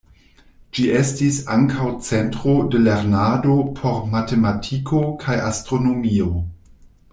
Ĝi estis ankaŭ centro de lernado por matematiko kaj astronomio.